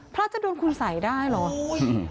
พระจะโดนคุณสัยได้เหรอ